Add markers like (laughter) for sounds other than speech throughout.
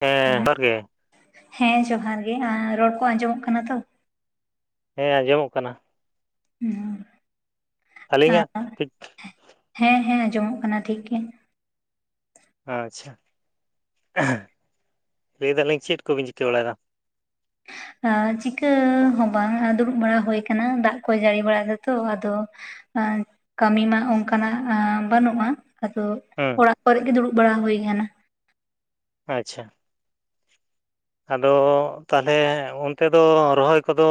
ᱦᱮᱸ ᱯᱟᱨ ᱜᱮ᱾ ᱦᱮᱸ ᱡᱚᱦᱟᱨ ᱜᱮ, ᱟᱨ ᱨᱚᱲ ᱠᱚ ᱟᱸᱡᱚᱢᱚᱜ ᱠᱟᱱᱟ ᱛᱚ? ᱦᱮᱸ ᱟᱸᱡᱚᱢᱚᱜ ᱠᱟᱱᱟ᱾ (inaudible) ᱟᱹᱞᱤᱧᱟᱜ ᱴᱷᱤᱠᱼᱼ ᱦᱮᱸ ᱦᱮᱸ, ᱟᱸᱡᱚᱢᱚᱜ ᱠᱟᱱᱟ ᱴᱷᱤᱠ ᱜᱮ᱾ ᱟᱪᱪᱷᱟ, (inaudible) ᱞᱟᱹᱭ ᱫᱟᱞᱤᱧ ᱪᱮᱫ ᱠᱚᱵᱤᱱ ᱪᱤᱠᱟᱹ ᱵᱟᱲᱟᱭᱫᱟ? ᱟ ᱪᱤᱠᱟᱹ ᱦᱚᱸ ᱵᱟᱝ ᱾ᱫᱩᱲᱩᱵ ᱵᱟᱲᱟ ᱦᱩᱭ ᱠᱟᱱᱟ ᱫᱟᱜ ᱠᱚᱭ ᱡᱟᱹᱲᱤ ᱵᱟᱲᱟᱭ ᱫᱟᱛᱚ ᱟᱫᱚ᱾ (inaudible) ᱠᱟᱹᱢᱤ ᱢᱟ ᱚᱱᱠᱟᱱᱟᱜ ᱵᱟᱹᱱᱩᱜᱼᱟ᱾ ᱟᱫᱚᱼᱼ ᱦᱮᱸ᱾ ᱚᱲᱟᱜ ᱠᱚᱨᱮᱜ ᱜᱮ ᱫᱩᱲᱩᱵ ᱵᱟᱲᱟ ᱦᱩᱭ ᱠᱟᱱᱟ᱾ ᱟᱪᱪᱷᱟ᱾ ᱟᱫᱚ ᱛᱟᱦᱞᱮ, ᱚᱱᱛᱮ ᱫᱚ ᱨᱚᱦᱚᱭ ᱠᱚᱫᱚᱼᱼ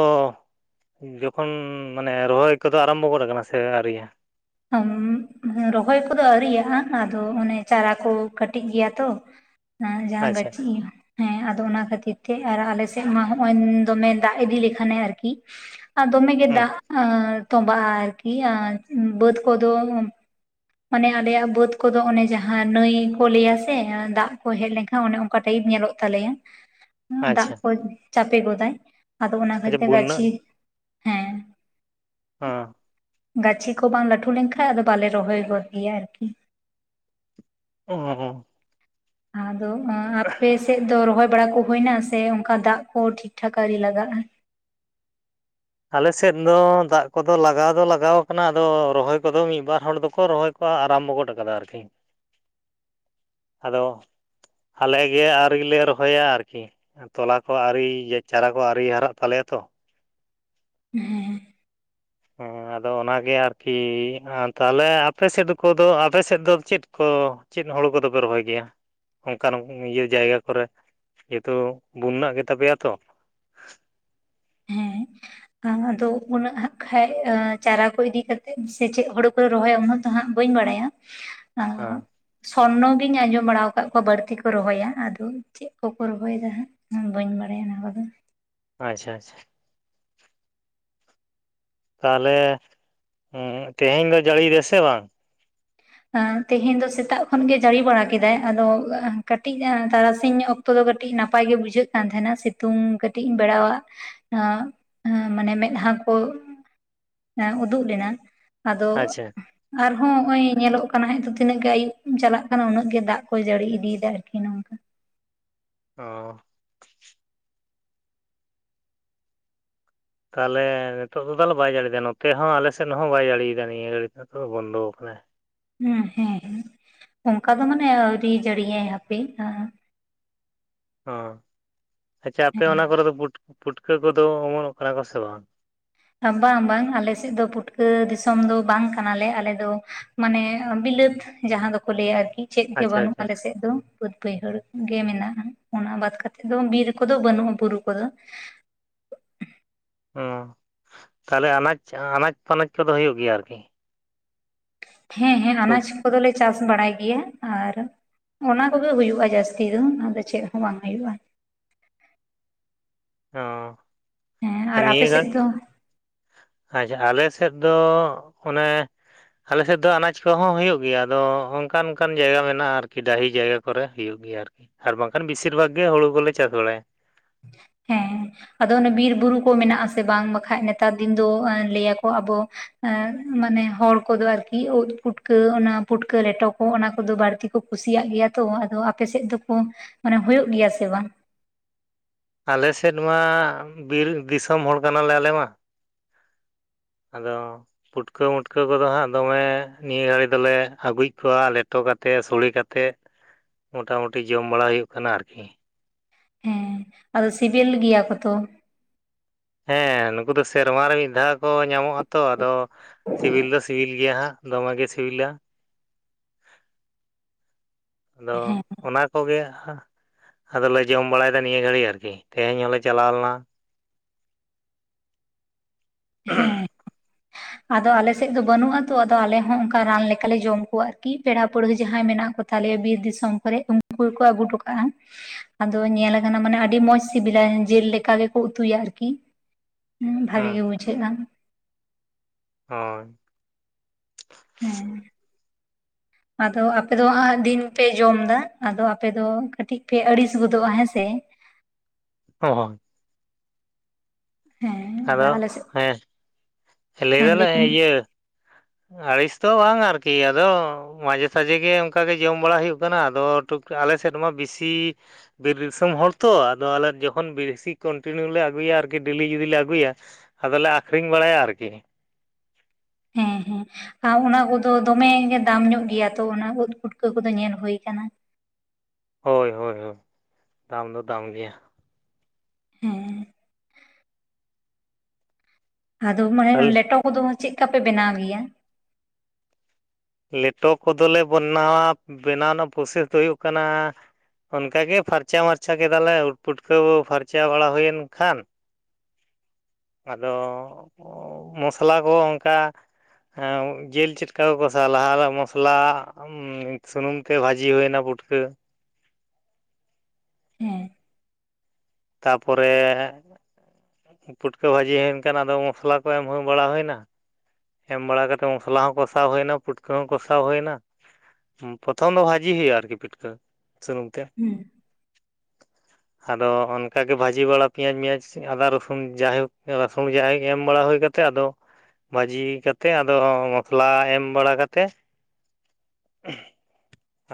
ᱡᱚᱠᱷᱚᱱ ᱢᱟᱱᱮ ᱨᱚᱦᱚᱭ ᱠᱚᱫᱚ ᱟᱨᱟᱢᱵᱚ ᱜᱚᱫ ᱠᱟᱱᱟ ᱥᱮ ᱟᱹᱣᱨᱤᱭᱟ? (inaudible) ᱨᱚᱦᱚᱭ ᱠᱚᱫᱚ ᱟᱨᱤᱭᱟᱜᱼᱟ ᱾ᱟᱫᱚ ᱚᱱᱮ ᱪᱟᱨᱟ ᱠᱚ ᱠᱟᱹᱴᱤᱡ ᱜᱮᱭᱟ ᱛᱚ᱾ (inaudible) ᱡᱟᱦᱟᱸ ᱟᱪᱪᱷᱟ ᱜᱟᱹᱪᱷᱤᱼᱼ ᱦᱮᱸ ᱟᱫᱚ ᱚᱱᱟ ᱠᱷᱟᱹᱛᱤᱨ ᱛᱮ, ᱟᱨ ᱟᱞᱮ ᱥᱮᱫ ᱢᱟ ᱦᱚᱸᱜᱼᱚᱭ ᱫᱚᱢᱮ ᱫᱟᱜ ᱤᱫᱤ ᱞᱮᱠᱷᱟᱱᱮ ᱟᱨᱠᱤᱼᱼ ᱟ ᱫᱚᱢᱮ ᱜᱮ ᱦᱩᱸ ᱫᱟᱜ ᱛᱚᱵᱟ ᱟᱨᱠᱤ ᱵᱟᱹᱫᱽ ᱠᱚᱫᱚ᱾ ᱚᱱᱮ ᱟᱞᱮᱭᱟᱜ ᱵᱟᱹᱫᱽ ᱠᱚᱫᱚ ᱚᱱᱮ ᱡᱟᱦᱟᱸ ᱱᱟᱹᱭ ᱠᱚ ᱞᱟᱹᱭᱟ ᱥᱮ, ᱫᱟᱜ ᱠᱚ ᱦᱮᱡ ᱞᱮᱱᱠᱷᱟᱱᱼᱼ ᱦᱟᱸ ᱚᱱᱮ ᱚᱱᱠᱟ ᱴᱟᱭᱤᱯ ᱧᱮᱞᱚᱜ ᱛᱟᱞᱮᱭᱟ᱾ (inaudible) (inaudible) ᱫᱟᱜ ᱠᱚᱡ ᱪᱟᱯᱮ ᱜᱚᱫᱟᱭ ᱟᱫᱚ, ᱚᱱᱟ ᱟᱪᱪᱷᱟ ᱠᱷᱟᱹᱛᱤᱨ ᱵᱩᱱᱱᱟ ᱜᱟᱹᱪᱷᱤ ᱦᱮᱸ᱾ ᱦᱮᱸ᱾ ᱜᱟᱹᱪᱷᱤ ᱠᱚ ᱵᱟᱝ ᱞᱟᱹᱴᱩ ᱞᱮᱱᱠᱷᱟᱱᱡ ᱟᱫᱚ ᱵᱟᱞᱮ ᱨᱚᱦᱚᱭ ᱜᱚᱫ ᱜᱮᱭᱟ ᱟᱨᱠᱤ᱾ (inaudible) ᱟᱫᱚ ᱟᱯᱮ ᱥᱮᱫ ᱫᱚ ᱨᱚᱦᱚᱭ ᱵᱟᱲᱟ ᱠᱚ ᱦᱳᱭᱱᱟᱥ? ᱛᱮ ᱚᱱᱠᱟ ᱫᱟᱜ ᱠᱚ ᱴᱷᱤᱠ ᱴᱷᱟᱠ ᱟᱨᱤ ᱞᱟᱜᱟᱜᱼᱟ? ᱟᱞᱮ ᱥᱮᱫ ᱫᱚ ᱫᱟᱜ ᱠᱚᱫᱚ ᱞᱟᱜᱟᱣ ᱫᱚ ᱞᱟᱜᱟᱣ ᱠᱟᱱᱟ ᱾ᱟᱫᱚ ᱨᱚᱦᱚᱭ ᱠᱚᱫᱚ ᱢᱤᱜ ᱵᱟᱨ ᱦᱚᱲ ᱫᱚᱠᱚ ᱨᱚᱦᱚᱭᱼᱼ ᱠᱚ ᱟᱨᱟᱢ ᱵᱚ ᱜᱚᱰ ᱠᱟᱫᱟ ᱟᱨᱠᱤ ᱟᱫᱚ ᱟᱞᱮ ᱜᱮ ᱟᱣᱨᱤ ᱞᱮ ᱨᱚᱦᱚᱭᱟ ᱟᱨᱠᱤ ᱾ ᱛᱚᱞᱟ ᱠᱚ ᱟᱨᱤ ᱪᱟᱨᱟ ᱠᱚ ᱟᱨᱤ ᱦᱟᱨᱟᱜ ᱛᱟᱞᱮᱭᱟ ᱛᱚ ᱾ (inaudible) ᱦᱚᱸ ᱟᱫᱚ ᱚᱱᱟᱜᱮ ᱟᱨᱠᱤ ᱛᱟᱦᱟᱞᱮ ᱟᱯᱮ ᱥᱮᱫ ᱠᱚᱫᱚ ᱟᱯᱮ ᱥᱮᱫ ᱫᱚ ᱪᱮᱫ ᱠᱚ? ᱪᱮᱱ ᱦᱳᱲᱳ ᱠᱚᱫᱚ ᱯᱮ ᱨᱚᱦᱚᱭ ᱜᱮᱭᱟ? ᱚᱝᱠᱟᱱ ᱤᱭᱟᱹ ᱡᱟᱭᱜᱟ ᱠᱚᱨᱮ ᱡᱮᱛᱚ ᱵᱩᱱᱱᱟᱜ ᱜᱮ ᱛᱟᱯᱮᱭᱟ ᱛᱚ? ᱦᱩᱸ ᱟ-ᱟᱫᱚ ᱩᱱᱟᱹᱜ ᱦᱟᱸᱜ ᱠᱷᱟᱡ ᱮᱸ ᱪᱟᱨᱟ ᱠᱚ ᱤᱫᱤ ᱠᱟᱛᱮᱜ ᱥᱮ ᱪᱮᱜ ᱦᱩᱲᱩ ᱠᱚ ᱨᱚᱦᱚᱭᱟ ᱩᱱᱟᱹᱜ ᱦᱟᱸᱜ ᱵᱟᱹᱧ ᱵᱟᱲᱟᱭᱟ᱾ ᱦᱟ ᱥᱚᱨᱱᱚ ᱜᱤᱧ ᱟᱸᱡᱚᱢ ᱵᱟᱲᱟᱣ ᱠᱟᱜ ᱠᱚᱣᱟ ᱵᱟᱹᱲᱛᱤ ᱠᱚ ᱨᱚᱦᱚᱭᱟ, ᱟᱫᱚ ᱪᱮᱜ ᱠᱚᱠᱚ ᱨᱚᱦᱚᱭᱫᱟ ᱦᱟᱸᱜ ᱠᱷᱟᱱ ᱵᱟᱹᱧ ᱵᱟᱲᱟᱭᱟ ᱚᱱᱟ ᱠᱚᱫᱚ᱾ ᱟᱪᱪᱷᱟ ᱟᱪᱪᱷᱟ ᱛᱟᱦᱞᱮ ᱩᱸ ᱛᱮᱦᱮᱧ ᱫᱚ ᱡᱟᱹᱲᱤᱭᱫᱟᱭ ᱥᱮ ᱵᱟᱝ? ᱟᱸ ᱛᱮᱦᱮᱧ ᱫᱚ ᱥᱮᱛᱟᱜ ᱠᱷᱚᱱ ᱜᱤ ᱡᱟᱹᱲᱤ ᱵᱟᱲᱟ ᱠᱮᱫᱟᱭ ᱟᱫᱚ ᱮᱸ ᱠᱟᱹᱴᱤᱡ ᱛᱟᱨᱟᱥᱤᱧ ᱚᱠ ᱛᱚ ᱫᱚ ᱠᱟᱹᱴᱤᱡ ᱱᱟᱯᱟᱭ ᱜᱮ ᱵᱩᱡᱷᱟᱹᱜ ᱠᱟᱱ ᱛᱟᱦᱮᱱᱟ ᱥᱤᱛᱩᱝ ᱠᱟᱹᱴᱤᱡ ᱤᱧ ᱵᱮᱲᱟᱣᱟᱜ (unintelligible) ᱢᱟᱱᱮ ᱢᱮᱫᱟᱦᱟ ᱠᱚ ᱮᱸ ᱩᱫᱩᱜ ᱞᱮᱱᱟ᱾ ᱟᱫᱚ ᱟᱪᱪᱷᱟ ᱟᱨᱦᱚᱸ ᱦᱚᱜᱼᱚᱸᱭ ᱧᱮᱞᱚᱜ ᱠᱟᱱᱟ ᱦᱟᱸᱜ ᱛᱚ ᱛᱤᱱᱟᱹᱜ ᱜᱮ ᱟᱹᱭᱩᱵ ᱪᱟᱞᱟᱜ ᱠᱟᱱᱟ ᱩᱱᱟᱹᱜ ᱜᱮ ᱫᱟᱜ ᱠᱚ ᱡᱟᱹᱲᱤ ᱤᱫᱤᱭᱫᱟ ᱟᱨᱠᱤ ᱱᱚᱣᱟ᱾ ᱚ ᱛᱟᱦᱞᱮ ᱱᱤᱛᱚᱜ ᱫᱚ ᱛᱟᱦᱞᱮ ᱵᱟᱭ ᱡᱟᱹᱲᱤᱭᱫᱟ ᱱᱚᱛᱮ ᱦᱚᱸ ᱟᱞᱮ ᱥᱮᱫ ᱦᱚᱸ ᱵᱟᱭ ᱡᱟᱹᱲᱤᱭᱫᱟ ᱱᱤᱭᱟᱹ ᱜᱷᱟᱹᱲᱤᱡ ᱫᱚ᱾ ᱛᱚ ᱵᱚᱱᱫᱚᱣ ᱠᱟᱱᱟ᱾ ᱦᱩᱸ ᱦᱮᱸ ᱦᱮᱸ ᱚᱝᱠᱟ ᱫᱚ ᱢᱟᱱᱮ ᱟᱹᱣᱨᱤ ᱡᱟᱹᱲᱤᱭᱟ ᱦᱟᱯᱮ ᱟᱸ ᱚᱸ ᱟᱪᱪᱷᱟ ᱟᱯᱮ ᱚᱱᱟ ᱠᱚᱨᱮ ᱫᱚ ᱯᱩᱴ ᱯᱩᱴᱠᱟᱹ ᱠᱚᱫᱚ ᱚᱢᱚᱱᱚᱜ ᱠᱟᱱᱟ ᱠᱚ ᱥᱮ ᱵᱟᱝ? ᱵᱟᱝ ᱵᱟᱝ ᱟᱞᱮ ᱥᱮᱜ ᱫᱚ ᱯᱩᱴᱠᱟᱹ ᱫᱤᱥᱚᱢ ᱫᱚ ᱵᱟᱝ ᱠᱟᱱᱟᱞᱮ, ᱟᱞᱮ ᱫᱚ ᱢᱟᱱᱮ ᱵᱤᱞᱟᱹᱛ ᱡᱟᱦᱟᱸ ᱫᱚᱠᱚ ᱞᱟᱹᱭᱟ ᱟᱨᱠᱤ ᱪᱮᱫ ᱜᱮ ᱟᱪᱪᱷᱟ ᱵᱟᱹᱱᱩᱜᱼᱟ ᱟᱪᱪᱷᱟ ᱟᱞᱮ ᱥᱮᱜ ᱫᱚ᱾ ᱵᱟᱹᱫᱽ ᱵᱟᱹᱭᱦᱟᱹᱲ ᱜᱮ ᱢᱮᱱᱟᱜᱼᱟ ᱚᱱᱟ ᱵᱟᱫᱽ ᱠᱟᱛᱮᱜ ᱫᱚ ᱵᱤᱨ ᱠᱚᱫᱚ ᱵᱟᱹᱱᱩᱜᱼᱟ ᱵᱩᱨᱩ ᱠᱚᱫᱚ᱾ ᱚᱸ ᱛᱟᱦᱞᱮ ᱟᱱᱟᱡᱽ ᱟᱱᱟᱡᱽ ᱯᱟᱱᱟᱡᱽ ᱠᱚᱫᱚ ᱦᱩᱭᱩᱜ ᱜᱮᱭᱟ ᱟᱨᱠᱤ? ᱦᱮᱸ ᱦᱮᱸ ᱟᱱᱟᱡᱽ ᱥᱚᱵᱡᱤ ᱠᱚᱫᱚᱞᱮ ᱪᱟᱥ ᱵᱟᱲᱟᱭ ᱜᱮᱭᱟ ᱟᱨ ᱚᱱᱟ ᱠᱚᱜᱮ ᱦᱩᱭᱩᱜᱼᱟ ᱡᱟᱹᱥᱛᱤ ᱫᱚ ᱟᱫᱚ ᱪᱮᱜ ᱦᱚᱸ ᱵᱟᱝ ᱦᱩᱭᱩᱜᱼᱟ᱾ ᱦᱮᱸ ᱟᱨ ᱚᱸ ᱟᱯᱮ ᱥᱮᱫ (unintelligible) ᱫᱚ ᱟᱪᱪᱷᱟ ᱟᱞᱮ ᱥᱮᱫ ᱫᱚ ᱚᱱᱮ ᱟᱞᱮ ᱥᱮᱫ ᱫᱚ ᱟᱱᱟᱡᱽ ᱠᱚᱦᱚᱸ ᱦᱩᱭᱩᱜ ᱜᱮᱭᱟ ᱟᱫᱚ ᱚᱝᱠᱟᱱ ᱚᱝᱠᱟᱱ ᱡᱟᱭᱜᱟ ᱢᱮᱱᱟᱜᱼᱟ ᱟᱨᱠᱤ ᱰᱟᱹᱦᱤ ᱡᱟᱭᱜᱟ ᱠᱚᱨᱮ ᱦᱩᱭᱩᱜ ᱜᱮᱭᱟ ᱟᱨᱠᱤ᱾ ᱟᱨ ᱵᱟᱝᱠᱷᱟᱱ ᱵᱤᱥᱤᱨ ᱵᱷᱟᱜᱽ ᱜᱮ ᱦᱩᱲᱩ ᱠᱚᱞᱮ ᱪᱟᱥ ᱵᱟᱲᱟᱭᱟ᱾ ᱦᱮᱸ ᱟᱫᱚ ᱚᱱᱮ ᱵᱤᱨ ᱵᱩᱨᱩ ᱠᱚ ᱢᱮᱱᱟᱜᱼᱟ ᱥᱮ ᱵᱟᱝ? ᱵᱟᱠᱷᱟᱡ ᱱᱮᱛᱟᱨ ᱫᱤᱱ ᱫᱚ ᱮᱸ ᱞᱟᱹᱭᱟᱠᱚ ᱟᱵᱚ ᱮᱸ ᱢᱟᱱᱮ ᱦᱚᱲ ᱠᱚᱫᱚ ᱟᱨᱠᱤ ᱩᱫᱽ ᱯᱩᱴᱠᱟᱹ ᱚᱱᱟ ᱯᱩᱴᱠᱟᱹ ᱞᱮᱴᱚ ᱠᱚ ᱚᱱᱟ ᱠᱚᱫᱚ ᱵᱟᱲᱛᱤ ᱠᱚ ᱠᱩᱥᱤᱭᱟᱜ ᱜᱮᱭᱟ ᱛᱚ ᱟᱫᱚ ᱟᱯᱮ ᱥᱮᱫ ᱫᱚᱠᱚ ᱢᱟᱱᱮ ᱦᱩᱭᱩᱜ ᱜᱮᱭᱟ ᱥᱮ ᱵᱟᱝ? ᱟᱞ ᱥᱮᱫ ᱢᱟ ᱵᱤᱨ ᱫᱤᱥᱚᱢ ᱦᱚᱲ ᱠᱟᱱᱟᱞᱮ ᱟᱞᱮ ᱢᱟ᱾ ᱟᱫᱚ ᱯᱩᱴᱠᱟᱹ ᱢᱩᱴᱠᱟᱹ ᱠᱚᱫᱚ ᱦᱟᱸᱜ ᱫᱚᱢᱮ ᱱᱤᱭᱟᱹ ᱜᱷᱟᱹᱲᱤ ᱫᱚᱞᱮ ᱟᱹᱜᱩᱭᱮᱜ ᱠᱚᱣᱟ ᱞᱮᱴᱚ ᱠᱟᱛᱮ ᱥᱚᱲᱮ ᱠᱟᱛ ᱛᱮᱜ ᱢᱚᱴᱟ ᱢᱩᱴᱤ ᱡᱚᱢ ᱵᱟᱲᱟ ᱦᱩᱭᱩᱜ ᱠᱟᱱᱟ ᱟᱨᱠᱤ᱾ ᱦᱮᱸ ᱟᱫᱚ ᱥᱤᱵᱤᱞ ᱜᱮᱭᱟ ᱠᱚ ᱛᱚ᱾ ᱦᱮᱸ ᱱᱩᱠᱩ ᱫᱚ ᱥᱮᱨᱢᱟ ᱨᱮ ᱢᱤᱫ ᱫᱷᱟᱣ ᱠᱚ ᱧᱟᱢᱚᱜᱼᱟ ᱛᱚ ᱟᱫᱚ ᱥᱤᱵᱤᱞ ᱫᱚ ᱥᱤᱵᱤᱞ ᱜᱮᱭᱟ ᱦᱟᱸᱜ᱾ ᱫᱚᱢᱮ ᱜᱮ ᱥᱤᱵᱤᱞᱟ᱾ ᱟᱫᱚ ᱚᱱᱟ ᱠᱚᱜᱮ ᱦᱟ ᱟᱫᱚᱞᱮ ᱡᱚᱢ ᱵᱟᱲᱟᱭᱫᱟ ᱱᱤᱭᱟᱹ ᱜᱷᱟᱹᱲᱤᱡ ᱟᱨᱠᱤ ᱛᱮᱦᱮᱧ ᱦᱚᱸᱞᱮ ᱪᱟᱞᱟᱣ ᱞᱮᱱᱟ᱾ (inaudible) ᱦᱮᱸ ᱟᱫᱚ ᱟᱞᱮ ᱥᱮᱜ ᱫᱚ ᱵᱟᱹᱱᱩᱜᱼᱟ ᱛᱚ ᱟᱞᱮ ᱦᱚᱸ ᱚᱝᱠᱟ ᱨᱟᱱ ᱞᱮᱠᱟᱞᱮ ᱡᱚᱢ ᱠᱚᱣᱟ ᱟᱨᱠᱤ ᱯᱮᱲᱟ ᱯᱟᱹᱲᱦᱟᱹ ᱡᱟᱦᱟᱸᱭ ᱢᱮᱱᱟᱜ ᱠᱚ ᱛᱟᱞᱮᱭᱟ ᱵᱤᱨ ᱫᱤᱥᱚᱢ ᱠᱚᱨᱮᱡ ᱩᱝᱠᱩ ᱜᱮᱠᱚ ᱟᱹᱜᱩ ᱴᱚ ᱠᱟᱜᱼᱟ ᱾ ᱟᱫᱚ ᱧᱮᱞ ᱟᱠᱟᱱᱟ ᱢᱟᱱᱮ ᱟᱹᱰᱤ ᱢᱚᱡᱽ ᱥᱤᱵᱤᱞᱟ ᱡᱮᱞ ᱞᱮᱠᱟ ᱜᱮᱠᱚ ᱩᱛᱩᱭᱟ ᱟᱨᱠᱤ ᱾ ᱦᱩᱸ ᱵᱷᱟᱜᱮ ᱜᱮ ᱵᱩᱡᱷᱟᱹᱜᱼᱟ ᱾ ᱦᱳᱭ ᱾ ᱦᱮᱸ ᱾ (inaudible) ᱟᱫᱚ ᱟᱯᱮ ᱫᱚ ᱦᱟᱸᱜ ᱫᱤᱱ ᱯᱮ ᱡᱚᱢᱫᱟ ᱟᱫᱚ ᱟᱯᱮ ᱫᱚ ᱠᱟᱹᱴᱤᱡ ᱯᱮ ᱟᱹᱲᱤᱥ ᱜᱚᱫᱚᱜᱼᱟ ᱦᱮᱸᱥᱮ ᱾ ᱦᱚᱸ ᱦᱚᱸ ᱾ ᱦᱮᱸ ᱟᱨ ᱟᱫᱚ ᱟᱞᱮ ᱥᱮᱫ ᱦᱮᱸ ᱦᱮᱸ ᱞᱟᱹᱭᱫᱟᱞᱮ ᱞᱟᱹᱭ ᱵᱤᱱ ᱤᱭᱟᱹ ᱟᱲᱤᱥ ᱫᱚ ᱵᱟᱝ ᱟᱨᱠᱤ ᱟᱫᱚ ᱢᱟᱡᱷᱮ ᱥᱟᱡᱷᱮ ᱜᱮ ᱚᱝᱠᱟᱜᱮ ᱡᱚᱢ ᱵᱟᱲᱟᱭ ᱦᱩᱭᱩᱜ ᱠᱟᱱᱟ ᱟᱫᱚ ᱴᱩᱠ ᱟᱞᱮ ᱥᱮᱫ ᱢᱟ ᱵᱤᱥᱤ ᱵᱤᱨ ᱫᱤᱥᱚᱢ ᱦᱚᱲ ᱛᱚ ᱟᱫᱚ ᱟᱞᱮ ᱡᱚᱠᱷᱚᱱ ᱵᱮᱥᱤ ᱠᱚᱱᱴᱤᱱᱤᱭᱩ ᱞᱮ ᱟᱹᱜᱩᱭᱟ ᱟᱨᱠᱤ ᱰᱮᱞᱤ ᱡᱚᱫᱤ ᱞᱮ ᱟᱹᱜᱩᱭᱟ ᱟᱫᱚᱞᱮ ᱟᱹᱠᱷᱨᱤᱧ ᱵᱟᱲᱟᱭᱟ ᱟᱨᱠᱤ ᱾ ᱦᱮᱸ ᱦᱮᱸ ᱾ ᱟ ᱚᱱᱟ ᱠᱚᱫᱚ ᱫᱚᱢᱮᱜᱮ ᱫᱟᱢ ᱧᱚᱜ ᱜᱮᱭᱟ ᱛᱚ ᱚᱱᱟ ᱳᱫ ᱯᱩᱴᱠᱟᱹ ᱠᱚᱫᱚ ᱧᱮᱞ ᱦᱳᱭ ᱠᱟᱱᱟ ᱾ ᱦᱳᱭ ᱦᱳᱭ ᱦᱳᱭ ᱫᱟᱢ ᱫᱚ ᱫᱟᱢ ᱜᱮᱭᱟ ᱾ ᱦᱮᱸ ᱾ ᱟᱫᱚ ᱢᱟᱱᱮ ᱞᱮᱴᱚ ᱠᱚᱫᱚ ᱪᱮᱜᱠᱟᱯᱮ ᱵᱮᱱᱟᱣ ᱜᱮᱭᱟ? ᱞᱮᱴᱚ ᱠᱚᱫᱚᱞᱮ ᱵᱚᱱ ᱱᱟᱣᱟ ᱵᱮᱱᱟᱣ ᱱᱟᱜ ᱯᱨᱚᱥᱮᱥ ᱫᱚ ᱦᱩᱭᱩᱜ ᱠᱟᱱᱟ ᱚᱱᱠᱟᱜᱮ ᱯᱷᱟᱨᱪᱟ ᱢᱟᱨᱪᱟ ᱠᱮᱫᱟᱞᱮ ᱩᱫ ᱯᱩᱴᱠᱟᱹ ᱯᱷᱟᱨᱪᱟ ᱵᱟᱲᱟ ᱦᱳᱭᱮᱱ ᱠᱷᱟᱱ ᱟᱫᱚ ᱢᱚᱥᱞᱟ ᱠᱚ ᱚᱝᱠᱟ ᱮᱻ ᱡᱤᱞ (unintelligible) ᱛᱟᱨ ᱞᱟᱦᱟᱨᱮ ᱢᱚᱥᱞᱟ ᱩᱸ ᱥᱩᱱᱩᱢ ᱛᱮ ᱵᱷᱟᱹᱡᱤ ᱦᱩᱭᱱᱟ ᱯᱩᱴᱠᱟᱹ ᱾ ᱦᱮᱸ ᱾ ᱛᱟᱯᱚᱨᱮ ᱯᱩᱴᱠᱟᱹ ᱵᱷᱟᱹᱡᱤ ᱦᱩᱭᱮᱱ ᱠᱷᱟᱱ ᱟᱫᱚ ᱢᱚᱥᱞᱟ ᱠᱚ ᱮᱢ (inaudible) ᱵᱟᱲᱟ ᱦᱩᱭᱱᱟ ᱾ ᱮᱢ ᱵᱟᱲᱟ ᱠᱟᱛᱮᱫ ᱢᱚᱥᱞᱟ ᱦᱚᱸ ᱠᱚᱥᱟᱣ ᱦᱩᱭᱱᱟ ᱯᱩᱴᱠᱟᱹ ᱦᱚᱸ ᱠᱚᱥᱟᱣ ᱦᱩᱭᱱᱟ ᱾ ᱦᱩᱸ ᱯᱨᱚᱛᱷᱚᱢ ᱫᱚ ᱵᱷᱟᱹᱡᱤ ᱦᱩᱭᱩᱜᱼᱟ ᱟᱨᱠᱤ ᱯᱤᱴᱠᱟᱹ ᱥᱩᱱᱩᱢ ᱛᱮ ᱾ ᱦᱩᱸ ᱾ (inaudible) ᱟᱫᱚ ᱚᱱᱠᱟᱜᱮ ᱵᱷᱟᱹᱡᱤ ᱵᱟᱲᱟ ᱯᱮᱸᱭᱟᱡᱽ ᱢᱮᱭᱟᱡᱽ ᱟᱫᱟ ᱨᱚᱥᱩᱱ ᱡᱟᱭᱦᱳᱠ ᱨᱟᱹᱥᱩᱱ ᱡᱟᱦᱟᱸᱭ ᱜᱮ ᱮᱢ ᱵᱟᱲᱟ ᱦᱳᱭ ᱠᱟᱛᱮᱫ ᱟᱫᱚ ᱵᱷᱟᱹᱡᱤ ᱠᱟᱛᱮᱫ ᱟᱫᱚ ᱢᱚᱥᱞᱟ ᱮᱢ ᱵᱟᱲᱟ ᱠᱟᱛᱮ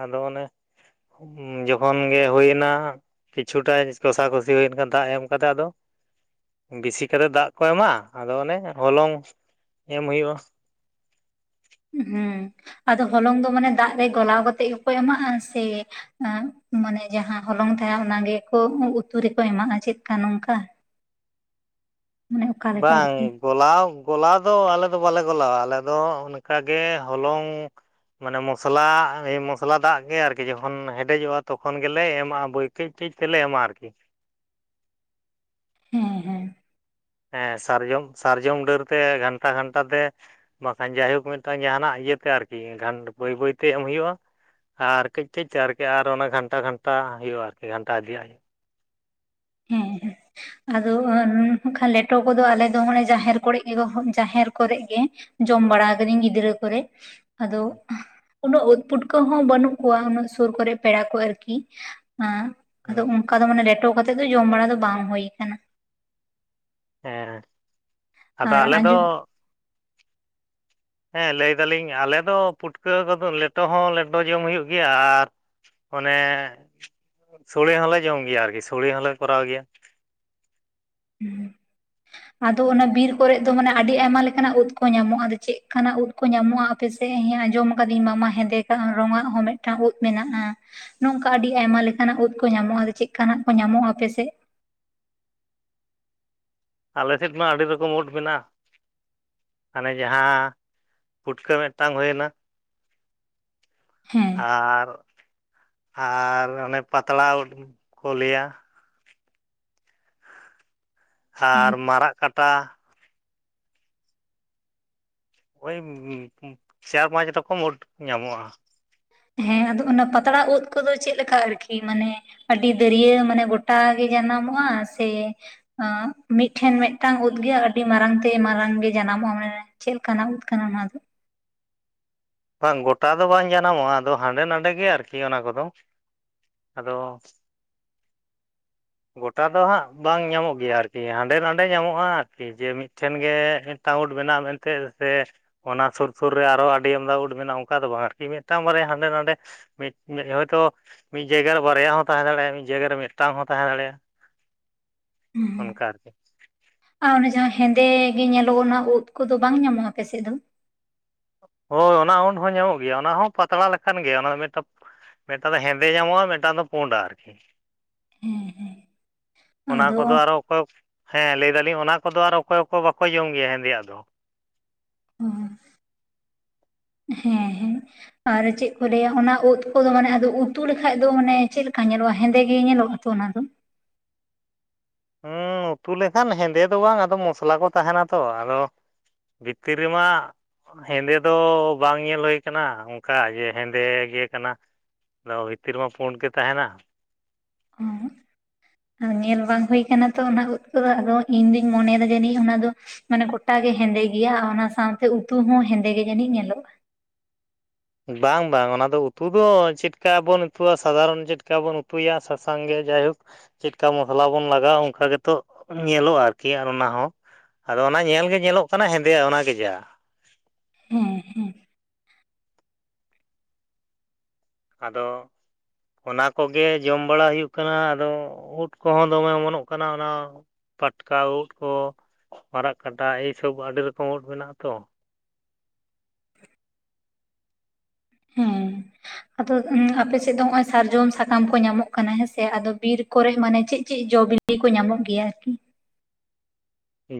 ᱟᱫᱚ ᱚᱱᱮ ᱩᱸ ᱡᱚᱠᱷᱚᱱ ᱜᱮ ᱦᱳᱭᱱᱟ ᱠᱤᱪᱷᱩᱴᱟᱜ ᱠᱚᱥᱟ ᱠᱚᱥᱤ ᱦᱳᱭᱮᱱ ᱠᱷᱟᱱ ᱫᱟᱜ ᱮᱢ ᱠᱟᱛᱮ ᱟᱫᱚ ᱵᱤᱥᱤ ᱠᱟᱛᱮ ᱫᱟᱜ ᱠᱚ ᱮᱢᱟ ᱟᱫᱚ ᱚᱱᱮ ᱦᱚᱞᱚᱝ ᱮᱢ ᱦᱩᱭᱩᱜᱼᱟ ᱾ ᱦᱩᱸ ᱟᱫᱚ ᱦᱚᱞᱚᱝ ᱫᱚ ᱢᱟᱱᱮ ᱫᱟᱜ ᱨᱮ ᱜᱚᱞᱟᱣ ᱠᱟᱛᱮᱜ ᱜᱮᱠᱚ ᱮᱢᱟᱜᱼᱟ ᱥᱮ? ᱟᱜ ᱢᱟᱱᱮ ᱡᱟᱦᱟᱸ ᱦᱚᱞᱚᱝ ᱛᱟᱦᱮᱸ ᱚᱱᱟᱜᱮᱠᱚ ᱩᱛᱩ ᱨᱮᱠᱚ ᱮᱢᱟᱜᱼᱟ ᱪᱮᱜ ᱠᱟ ᱱᱚᱝᱠᱟ? ᱢᱟᱱᱮ ᱚᱠᱟᱞᱮᱠᱟ ᱵᱟᱝ ᱟᱨᱠᱤ ᱾ ᱜᱚᱞᱟᱣ ᱜᱚᱞᱟᱣ ᱫᱚ ᱟᱞᱮ ᱫᱚ ᱵᱟᱞᱮ ᱜᱚᱞᱟᱣᱟ ᱟᱞᱮ ᱫᱚ ᱚᱱᱠᱟᱜᱮ ᱦᱚᱞᱚᱝ ᱢᱟᱱᱮ ᱢᱚᱥᱞᱟ ᱢᱚᱥᱞᱟ ᱫᱟᱜ ᱜᱮ ᱟᱨᱠᱤ ᱡᱚᱠᱷᱚᱱ ᱦᱮᱰᱮᱡᱚᱜᱼᱟ ᱛᱚᱠᱷᱚᱱ ᱜᱮᱞᱮ ᱮᱢᱟᱜᱼᱟ ᱵᱟᱹᱭ ᱠᱟᱹᱡ ᱠᱟᱹᱡ ᱛᱮᱞᱮ ᱮᱢᱟᱜ-ᱟ ᱟᱨᱠᱤ ᱾ ᱦᱮᱸ ᱦᱮᱸ ᱾ ᱦᱮᱸ ᱥᱟᱨᱡᱚᱢ ᱥᱟᱨᱡᱚᱢ ᱰᱟᱹᱨᱛᱮ ᱜᱷᱟᱱᱴᱟ ᱜᱷᱟᱱᱴᱟ ᱛᱮ ᱵᱟᱠᱷᱟᱱ ᱡᱟᱭᱦᱳᱠ ᱢᱤᱫᱴᱟᱝ ᱡᱟᱦᱟᱱᱟᱜ ᱤᱭᱟᱹᱛᱮ ᱟᱨᱠᱤ ᱜᱷᱟᱱ ᱵᱟᱹᱭ ᱵᱟᱹᱭᱛᱮ ᱮᱢ ᱦᱩᱭᱩᱜᱼᱟ ᱾ ᱟᱨ ᱠᱟᱹᱡ ᱠᱟᱹᱡᱛᱮ ᱟᱨᱠᱤ ᱟᱨ ᱚᱱᱟ ᱜᱷᱟᱱᱴᱟ ᱜᱷᱟᱱᱴᱟ ᱦᱩᱭᱩᱜᱼᱟ ᱟᱨᱠᱤ ᱜᱷᱟᱱᱴᱟ ᱤᱫᱤᱭᱟᱜ ᱾ ᱦᱮᱸ ᱦᱮᱸ ᱾ ᱟᱫᱚ ᱟᱻ ᱠᱷᱟᱱ ᱞᱮᱴᱚ ᱠᱚᱫᱚ ᱟᱞᱮ ᱫᱚ ᱢᱟᱱᱮ ᱡᱟᱦᱮᱨ ᱠᱚᱨᱮᱜ ᱜᱮ ᱦᱚᱢ ᱡᱟᱦᱮᱨ ᱠᱚᱨᱮᱜ ᱜᱮ ᱡᱚᱢ ᱵᱟᱲᱟ ᱠᱟᱹᱫᱟᱹᱧ ᱜᱤᱫᱽᱨᱟᱹ ᱠᱚᱨᱮᱜ ᱟᱫᱚ ᱩᱱᱟᱹᱜ ᱩᱫ ᱯᱩᱴᱠᱟᱹ ᱦᱚᱸ ᱵᱟᱹᱱᱩᱜ ᱠᱚᱣᱟ ᱩᱱᱟᱹᱜ ᱥᱩᱨ ᱠᱚᱨᱮᱜ ᱯᱮᱲᱟ ᱠᱚ ᱟᱨᱠᱤ ᱮᱸᱜ ᱟᱫᱚ ᱦᱩᱭᱩᱜᱼᱟ ᱚᱱ ᱠᱟᱫᱚ ᱢᱟᱱᱮ ᱞᱮᱴᱚ ᱠᱟᱛᱮᱫ ᱫᱚ ᱡᱚᱢ ᱵᱟᱲᱟ ᱫᱚ ᱵᱟᱝ ᱦᱩᱭ ᱠᱟᱱᱟ᱾ ᱦᱮᱸ ᱟᱫᱚ ᱟᱨ ᱟᱞᱮ ᱫᱚ ᱟᱸᱡᱚᱢ ᱦᱮᱸ ᱞᱟᱹᱭ ᱫᱟᱞᱤᱧ ᱟᱞᱮ ᱫᱚ ᱯᱩᱴᱠᱟᱹ ᱠᱚᱫᱚ ᱞᱮᱴᱚ ᱦᱚᱸ ᱞᱮᱴᱚ ᱡᱚᱢ ᱦᱩᱭᱩᱜ ᱜᱮᱭᱟ ᱟᱨ ᱚᱱᱮ ᱥᱳᱲᱮ ᱦᱚᱸᱞᱮ ᱡᱚᱢ ᱜᱮᱭᱟ ᱟᱨᱠᱤ ᱥᱳᱲᱮ ᱦᱚᱸᱞᱮ ᱠᱚᱨᱟᱣ ᱜᱮᱭᱟ᱾ ᱟᱫᱚ ᱚᱱᱟ ᱵᱤᱨ ᱠᱚᱨᱮᱫ ᱫᱚ ᱢᱟᱱᱮ ᱟᱹᱰᱤ ᱟᱭᱢᱟ ᱞᱮᱠᱟᱱᱟᱜ ᱩᱫ ᱠᱚ ᱧᱟᱢᱚᱜᱼᱟ, ᱟᱫᱚ ᱪᱮᱫ ᱞᱮᱠᱟᱱᱟᱜ ᱩᱫ ᱠᱚ ᱧᱟᱢᱚᱜᱼᱟ ᱟᱯᱮ ᱥᱮᱫ ᱦᱤ ᱟᱸᱡᱚᱢ ᱟᱠᱟᱫᱤᱧ ᱢᱟᱢᱟ ᱦᱮᱸᱫᱮ ᱠᱟᱜ ᱨᱚᱝᱟᱜ ᱦᱚᱸ ᱢᱤᱫᱴᱟᱝ ᱩᱫ ᱢᱮᱱᱟᱜᱼᱟ ᱱᱚᱝᱠᱟ ᱟᱹᱰᱤ ᱟᱭᱢᱟ ᱞᱮᱠᱟᱱᱟᱜ ᱩᱫ ᱠᱚ ᱧᱟᱢᱚᱜᱼᱟ ᱪᱮᱫᱠᱟᱱᱟᱜ ᱠᱚ ᱧᱟᱢᱚᱜᱼᱟ ᱟᱯᱮ ᱥᱮᱫ? ᱟᱞ ᱥᱮᱫ ᱢᱟ ᱟᱹᱰᱤ ᱨᱚᱠᱚᱢ ᱩᱫ ᱢᱮᱱᱟᱜᱼᱟ᱾ ᱦᱟᱱᱮ ᱡᱟᱦᱟᱸ ᱯᱩᱴᱠᱟᱹ ᱢᱤᱫᱴᱟᱝ ᱦᱩᱭᱮᱱᱟ, ᱦᱮᱸ᱾ ᱟᱨ, ᱟᱨ ᱚᱱᱮ ᱯᱟᱛᱲᱟ ᱩᱫ ᱠᱚ ᱞᱟᱹᱭᱟ, ᱟᱨ ᱢᱟᱨᱟᱜ ᱠᱟᱴᱟ, ᱳᱭ ᱪᱟᱨ ᱯᱟᱸᱪ ᱨᱚᱠᱚᱢ ᱩᱫ ᱧᱟᱢᱚᱜᱼᱟ᱾ ᱦᱮᱸ ᱟᱫᱚ ᱚᱱᱟ ᱯᱟᱛᱲᱟ ᱩᱫ ᱠᱚᱫᱚ ᱪᱮᱫ ᱞᱮᱠᱟ ᱟᱨᱠᱤ ᱢᱟᱱᱮ ᱟᱹᱰᱤ ᱫᱟᱹᱨᱭᱟᱹ ᱢᱟᱱᱮ ᱜᱚᱴᱟ ᱜᱮ ᱡᱟᱱᱟᱢᱚᱜᱼᱟ ᱥᱮ ᱮᱸ ᱢᱤᱫᱴᱷᱮᱱ ᱢᱤᱫᱴᱟᱝ ᱩᱫ ᱜᱮᱭᱟ ᱟᱹᱰᱤ ᱢᱟᱨᱟᱝ ᱛᱮᱭ ᱢᱟᱨᱟᱝ ᱜᱮ ᱡᱟᱱᱟᱢᱚᱜᱼᱟ ᱢᱟᱱᱮ᱾ ᱪᱮᱫ ᱞᱮᱠᱟᱱᱟᱜ ᱩᱫᱽ ᱠᱟᱱᱟ ᱱᱚᱭᱟ ᱫᱚ? ᱵᱟᱝ ᱜᱚᱴᱟ ᱫᱚ ᱵᱟᱝ ᱡᱟᱱᱟᱢᱚᱜᱼᱟ ᱟᱫᱚ ᱦᱟᱸᱰᱮ ᱱᱟᱰᱮ ᱜᱮ ᱟᱨᱠᱤ ᱚᱱᱟ ᱠᱚᱫᱚ᱾ ᱟᱫᱚ ᱜᱚᱴᱟ ᱫᱚ ᱦᱟᱸᱜ ᱵᱟᱝ ᱧᱟᱢᱚᱜ ᱜᱮᱭᱟ ᱟᱨᱠᱤ ᱦᱟᱸᱰᱮ ᱱᱟᱰᱮ ᱧᱟᱢᱚᱜᱼᱟ ᱟᱨᱠᱤ ᱡᱮ ᱢᱤᱫ ᱴᱷᱮᱱ ᱜᱮ ᱢᱤᱫᱴᱟᱝ ᱩᱫ ᱢᱮᱱᱟᱜᱼᱟ ᱢᱮᱱᱛᱮ ᱥᱮ ᱚᱱᱟ ᱥᱩᱨ ᱥᱩᱨ ᱨᱮ ᱟᱨᱚ ᱟᱹᱰᱤ ᱟᱢᱫᱟ ᱩᱫ ᱢᱮᱱᱟᱜᱼᱟ ᱚᱱᱠᱟ ᱫᱚ ᱵᱟᱝ ᱟᱨᱠᱤ ᱢᱤᱫᱴᱟᱝ ᱵᱟᱨᱭᱟ ᱦᱟᱸᱰᱮ ᱱᱟᱰᱮ ᱢᱤᱫ ᱢᱤᱫ ᱦᱚᱭᱛᱳ ᱢᱤᱫ ᱡᱟᱭᱜᱟ ᱨᱮ ᱵᱟᱨᱭᱟ ᱦᱚᱸ ᱛᱟᱦᱮᱸ ᱫᱟᱲᱮᱭᱟᱜᱼᱟ ᱢᱤᱫ ᱡᱟᱭᱜᱟ ᱨᱮ ᱢᱤᱫᱴᱟᱝ ᱦᱚᱸ ᱛᱟᱦᱮᱸ ᱫᱟᱲᱮᱭᱟᱜᱼᱟ᱾ ᱚᱱᱠᱟ ᱟᱨᱠᱤ᱾ ᱟᱨ ᱚᱱᱮ ᱡᱟᱦᱟᱸ ᱦᱮᱸᱫᱮ ᱜᱮ ᱧᱮᱞᱚᱜᱼᱟ ᱚᱱᱟ ᱩᱫ ᱠᱚᱫᱚ ᱵᱟᱝ ᱧᱟᱢᱚᱜᱼᱟ ᱟᱯᱮᱥᱮᱫ ᱫᱚ? ᱦᱳᱭ ᱚᱱᱟ ᱩᱫ ᱦᱚᱸ ᱧᱟᱢᱚᱜ ᱜᱮᱭᱟ ᱚᱱᱟ ᱦᱚᱸ ᱯᱟᱛᱲᱟ ᱞᱮᱠᱟᱱ ᱜᱮᱭᱟ ᱚᱱᱟ ᱫᱚ ᱢᱤᱫᱴᱟᱝ ᱢᱤᱫᱴᱟᱝ ᱫᱚ ᱦᱮᱸᱫᱮ ᱧᱟᱢᱚᱜᱼᱟ ᱢᱤᱫᱴᱟᱝ ᱫᱚ ᱯᱩᱸᱰ ᱟᱨᱠᱤ᱾ ᱦᱮᱸ ᱦᱮᱸ ᱚᱱᱟ ᱟᱫᱚ ᱠᱚᱫᱚ ᱟᱨᱚ ᱚᱠᱚᱭ ᱦᱮᱸ ᱞᱟᱹᱭ ᱫᱟᱞᱤᱧ ᱚᱱᱟ ᱠᱚᱫᱚ ᱟᱨ ᱚᱠᱚᱭ ᱠᱚ ᱵᱟᱠᱚ ᱡᱚᱢ ᱜᱮᱭᱟ ᱦᱮᱸᱫᱮᱭᱟᱜ ᱫᱚ᱾ ᱦᱩᱸ᱾ ᱦᱮᱸ ᱦᱮᱸ᱾ ᱟᱨ ᱪᱮᱫ ᱠᱚ ᱞᱟᱹᱭᱟ ᱚᱱᱟ ᱩᱫ ᱠᱚᱫᱚ ᱢᱟᱱᱮ ᱟᱫᱚ ᱩᱛᱩ ᱞᱮᱠᱷᱟᱡ ᱫᱚ ᱢᱟᱱᱮ ᱪᱮᱫ ᱞᱮᱠᱟ ᱧᱮᱞᱚᱜᱼᱟ ᱦᱮᱸᱫᱮ ᱜᱮ ᱧᱮᱞᱚᱜᱼᱟ? ᱛᱚ ᱚᱱᱟ ᱫᱚ᱾ ᱦᱩᱸ ᱩᱛᱩ ᱞᱮᱠᱷᱟᱱ ᱦᱮᱸᱫᱮ ᱫᱚ ᱵᱟᱝ ᱟᱫᱚ ᱢᱚᱥᱞᱟ ᱠᱚ ᱛᱟᱦᱮᱱᱟ ᱛᱚ ᱟᱫᱚ ᱵᱷᱤᱛᱨᱤ ᱨᱮᱢᱟ ᱦᱮᱸᱫᱮ ᱫᱚ ᱵᱟᱝ ᱧᱮᱞ ᱦᱩᱭ ᱠᱟᱱᱟ ᱚᱱᱠᱟ ᱡᱮ ᱦᱮᱸᱫᱮ ᱜᱮ ᱠᱟᱱᱟ, ᱟᱫᱚ ᱵᱷᱤᱛᱤᱨ ᱨᱮᱢᱟ ᱯᱩᱸᱰ ᱜᱮ ᱛᱟᱦᱮᱱᱟ᱾ (inaudible) ᱚ ᱧᱮᱞ ᱵᱟᱝ ᱦᱩᱭ ᱠᱟᱱᱟ ᱛᱚ ᱚᱱᱟ ᱩᱫ ᱠᱚᱫᱚ ᱟᱫᱚ ᱤᱧ ᱫᱩᱧ ᱢᱚᱱᱮᱭᱮᱫᱟ ᱡᱟᱹᱱᱤᱡ ᱚᱱᱟᱫᱚ ᱢᱟᱱᱮ ᱜᱚᱴᱟ ᱜᱮ ᱦᱮᱸᱫᱮ ᱜᱮᱭᱟ ᱟᱨ ᱚᱱᱟ ᱥᱟᱶᱛᱮ ᱩᱛᱩ ᱦᱚᱸ ᱦᱮᱸᱫᱮ ᱜᱮ ᱡᱟᱹᱱᱤᱡ ᱧᱮᱞᱚᱜᱼᱟ᱾ ᱵᱟᱝ ᱵᱟᱝ ᱚᱱᱟ ᱫᱚ ᱩᱛᱩ ᱫᱚ ᱪᱮᱫᱠᱟ ᱵᱚᱱ ᱩᱛᱩᱣᱟ ᱥᱟᱫᱷᱟᱨᱚᱱ ᱪᱮᱫᱠᱟ ᱵᱚᱱ ᱩᱛᱩᱭᱟ ᱥᱟᱥᱟᱝ ᱜᱮ ᱡᱟᱭᱦᱳᱠ ᱪᱮᱫᱠᱟ ᱢᱚᱥᱞᱟ ᱵᱚᱱ ᱞᱟᱜᱟᱣᱟ ᱚᱱᱠᱟ ᱜᱮᱛᱚ ᱧᱮᱞᱚᱜᱼᱟ ᱟᱨᱠᱤ ᱚᱱᱟ ᱦᱚᱸ᱾ ᱟᱫᱚ ᱚᱱᱟ ᱧᱮᱞ ᱜᱮ ᱧᱮᱞᱚᱜ ᱠᱟᱱᱟ ᱦᱮᱸᱫᱮᱭᱟ ᱚᱱᱟ ᱜᱮ ᱡᱟ᱾ ᱦᱩᱸ ᱦᱩᱸ ᱟᱫᱚ ᱚᱱᱟ ᱠᱚᱜᱮ ᱡᱚᱢ ᱵᱟᱲᱟ ᱦᱩᱭᱩᱜ ᱠᱟᱱᱟ ᱟᱫᱚ ᱩᱫ ᱠᱚᱦᱚᱸ ᱫᱚᱢᱮ ᱚᱢᱚᱱᱚᱜ ᱠᱟᱱᱟ, ᱚᱱᱟ ᱯᱟᱴᱠᱟ ᱩᱫ ᱠᱚ ᱢᱟᱨᱟᱜ ᱠᱟᱴᱟ ᱮᱭᱥᱚᱵ ᱟᱹᱰᱤ ᱨᱚᱠᱚᱢ ᱩᱫ ᱢᱮᱱᱟᱜᱼᱟ ᱛᱚ᱾ ᱦᱮᱸ (unintelligible) ᱟᱫᱚ ᱚ ᱟᱯᱮ ᱥᱮᱫ ᱫᱚ ᱱᱚᱜᱼᱚᱭ ᱥᱟᱨᱡᱚᱢ ᱥᱟᱠᱟᱢ ᱠᱚ ᱧᱟᱢᱚᱜ ᱠᱟᱱᱟ ᱦᱮᱸᱥᱮ ᱟᱫᱚ ᱵᱤᱨ ᱠᱚᱨᱮ ᱢᱟᱱᱮ ᱪᱮᱫ ᱪᱮᱫ ᱡᱚ ᱵᱤᱞᱤ ᱯᱷᱤ ᱠᱚ ᱧᱟᱢᱚᱜ ᱜᱮᱭᱟ ᱟᱨᱠᱤ᱾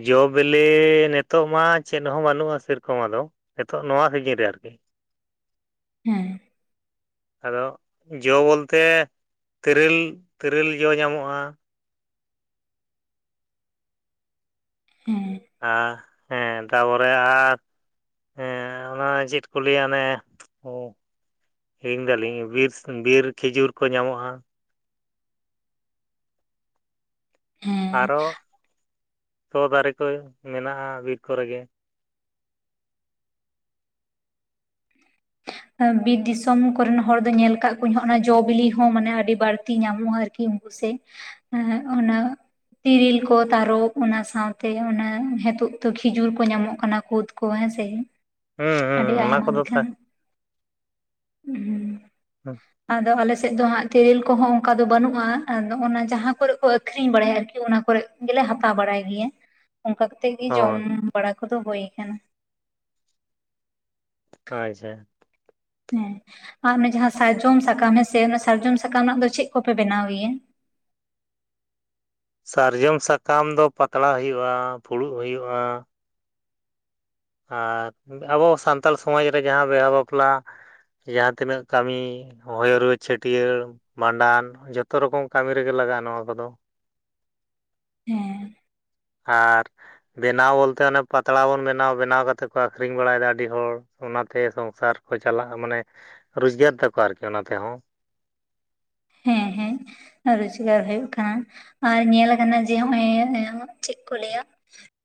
ᱡᱚ ᱵᱤᱞᱤ ᱱᱤᱛᱚᱜ ᱢᱟ ᱪᱮᱫ ᱦᱚᱸ ᱵᱟᱹᱱᱩᱜᱼᱟ ᱥᱮᱨᱚᱠᱚᱢ ᱟᱫᱚ, ᱱᱤᱛᱚᱜ ᱱᱚᱣᱟ ᱥᱤᱡᱤᱱ ᱨᱮ ᱟᱨᱠᱤ᱾ ᱦᱮᱸ ᱟᱫᱚ ᱡᱚ ᱵᱚᱞᱛᱮ ᱛᱮᱨᱮᱞ ᱛᱮᱨᱮᱞ ᱡᱚ ᱧᱟᱢᱚᱜᱼᱟ᱾ ᱦᱮᱸ ᱟᱸ ᱦᱮᱸ ᱛᱟᱯᱚᱨᱮ ᱟᱨ ᱦᱮᱸ ᱚᱱᱟ ᱪᱮᱫ ᱠᱚ ᱞᱟᱹᱭᱟ ᱚᱱᱮ, ᱦᱩᱸ ᱤᱧᱫᱟᱹᱞᱤᱧ ᱵᱤᱨ ᱵᱤᱨ ᱠᱷᱤᱡᱩᱨ ᱠᱚ ᱧᱟᱢᱚᱜᱼᱟ᱾ ᱦᱮᱸ ᱟᱨᱚ ᱥᱚ ᱫᱟᱨᱮ ᱠᱚ ᱢᱮᱱᱟᱜᱼᱟ ᱵᱤᱨ ᱠᱚᱨᱮ ᱜᱮ᱾ ᱮᱸ ᱵᱤᱨ ᱫᱤᱥᱚᱢ ᱠᱚᱨᱮᱱ ᱦᱚᱲ ᱫᱚ ᱧᱮᱞ ᱠᱟᱜ ᱠᱚᱣᱟᱧ ᱦᱚᱜᱱᱟ ᱡᱚᱼᱵᱤᱞᱤ ᱦᱚᱸ ᱢᱟᱱᱮ ᱟᱹᱰᱤ ᱵᱟᱹᱲᱛᱤ ᱧᱟᱢᱚᱜᱼᱟ ᱟᱨᱠᱤ᱾ ᱩᱥᱮ ᱮ ᱚᱱᱟ ᱛᱤᱨᱤᱞ ᱠᱚ ᱛᱟᱨᱚᱵ ᱚᱱᱟ ᱥᱟᱶᱛᱮ ᱚᱱᱟ ᱦᱮᱛᱳᱜ ᱛᱚ ᱠᱷᱤᱡᱩᱨ ᱠᱚ ᱧᱟᱢᱚᱜ ᱠᱟᱱᱟ, ᱠᱩᱫ ᱠᱚ ᱦᱮᱸ ᱥᱮ, ᱦᱩᱸ ᱦᱩᱸ ᱟᱹᱰᱤ ᱚᱱᱟ ᱟᱭᱢᱟ ᱠᱚᱫᱚ ᱞᱤᱠᱷᱟᱱ᱾ ᱦᱩᱸ, ᱟᱫᱚ ᱟᱞᱮᱥᱮᱫ ᱫᱚ ᱦᱟᱸᱜ ᱛᱮᱨᱮᱞ ᱠᱚᱦᱚᱸ ᱚᱱᱠᱟ ᱫᱚ ᱵᱟᱹᱱᱩᱜᱼᱟ ᱟᱫᱚ ᱚᱱᱟ ᱡᱟᱸᱦᱟ ᱠᱚᱨᱮ ᱠᱚ ᱟᱹᱠᱷᱨᱤᱧ ᱵᱟᱲᱟᱭᱟ ᱟᱨᱠᱤ ᱚᱱᱟ ᱠᱚᱨᱮ ᱜᱮᱞᱮ ᱦᱟᱛᱟᱣ ᱵᱟᱲᱟᱭ ᱜᱤᱭᱟ᱾ (unintelligible) ᱚᱝᱠᱟ ᱠᱟᱛᱮᱜ ᱜᱤ ᱡᱚᱢ ᱦᱳᱭ ᱵᱟᱲᱟ ᱠᱚᱫᱚ ᱦᱳᱭ ᱠᱟᱱᱟ᱾ ᱟᱪᱪᱷᱟ᱾ ᱦᱮᱸ ᱟ ᱚᱱᱮ ᱡᱟᱦᱟᱸ ᱥᱟᱭᱡᱚᱢ ᱥᱟᱠᱟᱢ ᱦᱮᱸᱥᱮ ᱚᱱᱟ ᱥᱟᱨᱡᱚᱢ ᱥᱟᱠᱟᱢ ᱨᱮᱱᱟᱜ ᱫᱚ ᱪᱮᱜ ᱠᱚᱯᱮ ᱵᱮᱱᱟᱣ ᱜᱮᱭᱟ? ᱥᱟᱨᱡᱚᱢ ᱥᱟᱠᱟᱢ ᱫᱚ ᱯᱟᱛᱲᱟ ᱦᱩᱭᱩᱜᱼᱟ, ᱯᱷᱩᱲᱩᱜ ᱦᱩᱭᱩᱜᱼᱟ᱾ ᱟᱨ ᱟᱵᱚ ᱥᱟᱱᱛᱟᱞ ᱥᱚᱢᱟᱡᱽ ᱨᱮ ᱡᱟᱦᱟᱸ ᱵᱤᱦᱟᱹ ᱵᱟᱯᱞᱟ ᱡᱟᱸᱦᱟ ᱛᱤᱱᱟᱹᱜ ᱠᱟᱹᱢᱤ ᱦᱚᱭᱚ ᱨᱩᱣᱟᱹ, ᱪᱷᱟᱹᱴᱭᱟᱹᱲ ᱢᱟᱸᱰᱟᱱ ᱡᱚᱛᱚ ᱨᱚᱠᱚᱢ ᱠᱟᱢᱤ ᱨᱮᱜᱮ ᱞᱟᱜᱟᱜᱼᱟ ᱱᱚᱣᱟ ᱠᱚᱫᱚ᱾ ᱦᱮᱸ ᱟᱨ ᱵᱮᱱᱟᱣ ᱵᱳᱞᱛᱮ ᱚᱱᱮ ᱯᱟᱛᱲᱟ ᱵᱚᱱ ᱵᱮᱱᱟᱣ, ᱵᱮᱱᱟᱣ ᱠᱟᱛᱮ ᱠᱚ ᱟᱠᱷᱨᱤᱧ ᱵᱟᱲᱟᱭᱮᱫᱟ ᱟᱰᱤ ᱦᱚᱲ᱾ ᱚᱱᱟᱛᱮ ᱥᱚᱝᱥᱟᱨ ᱠᱚ ᱪᱟᱞᱟᱜᱼᱟ ᱢᱟᱱᱮ ᱨᱳᱡᱽᱜᱟᱨ ᱛᱟᱹᱠᱚ ᱟᱨᱠᱤ ᱚᱱᱟ ᱛᱮᱦᱚᱸ᱾ (unintelligible) ᱮ ᱨᱳᱡᱽᱜᱟᱨ ᱦᱳᱭᱳᱜ ᱠᱟᱱᱟ ᱟᱨ ᱧᱮᱞ ᱟᱠᱟᱱᱟ ᱡᱮ ᱦᱚᱜᱼᱚᱭᱻ ᱪᱮᱜ ᱠᱚ ᱞᱟᱹᱭᱟ